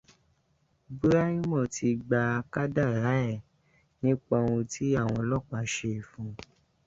Bùràímọ̀ ti gba kádàrá ẹ̀ nípa oun tí àwọn ọlọ́pàá ṣe fún-un